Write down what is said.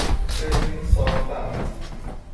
چرکین ساختن